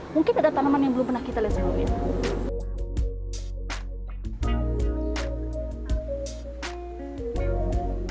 mungkin ada tanaman yang belum pernah kita lihat selama ini